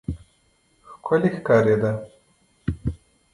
ښکلی ښکارېده.